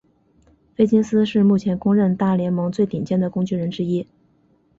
菲金斯是目前公认大联盟最顶尖的工具人之一。